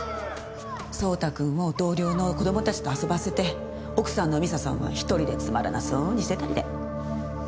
蒼太くんを同僚の子どもたちと遊ばせて奥さんの美佐さんは１人でつまらなそうにしてたりで。